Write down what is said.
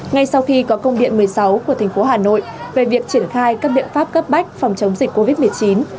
ngay sau khi có công điện một mươi sáu của thành phố hà nội về việc triển khai các biện pháp cấp bách phòng chống dịch covid một mươi chín